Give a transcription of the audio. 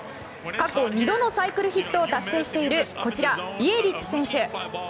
過去２度のサイクルヒットを達成しているイエリッチ選手。